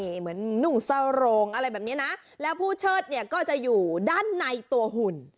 นี่เหมือนหนูสลงอะไรแบบเนี่ยนะแล้วผู้เชิดก็จะอยู่ด้านในตัวหุ่น